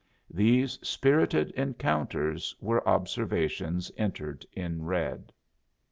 These spirited encounters were observations entered in red.